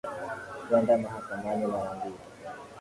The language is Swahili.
kuenda mahakamani mara mbili